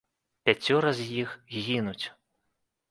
Пяцёра з іх гінуць.